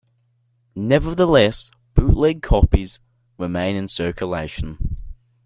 Nevertheless, bootleg copies remain in circulation.